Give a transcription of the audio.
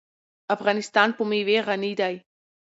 افغانستان په مېوې غني دی.